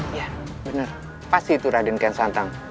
iya bener pasti itu raden kian santang